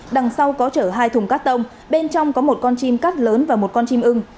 đằng sau có chở hai thùng cắt tông bên trong có một con chim cát lớn và một con chim ưng